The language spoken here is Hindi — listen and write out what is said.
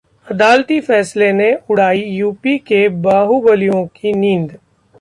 अदालती फैसले ने उड़ाई यूपी के बाहुबलियों की नींद